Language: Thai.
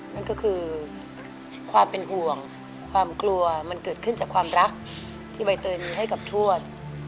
นั่นก็คือความเป็นห่วงความกลัวมันเกิดขึ้นจากความรักที่ใบเตยมีให้กับทวด